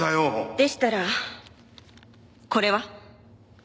でしたらこれは？